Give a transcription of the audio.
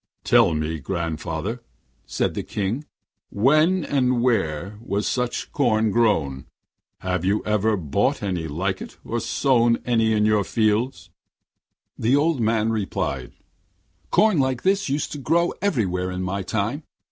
'Tell me, grandfather,' said the King, 'when and where was such corn grown? Have you ever bought any like it, or sown any in your fields?' And the old man replied: 'Corn like this used to grow everywhere in my time.